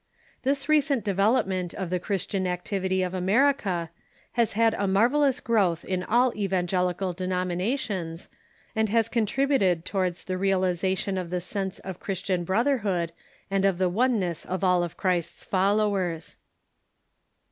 This recent development of the Christian activity of America has had a marvellous growth in all evangelical denominations, and has contributed towards the realization of PHILANTHROPY AND CHRISTIAN UNION 607 the sense of Christian hrotherhood and of the oneness of all of Christ's followers.